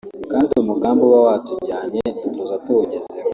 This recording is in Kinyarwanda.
kandi umugambi uba watujyanye dutuza tuwugezeho”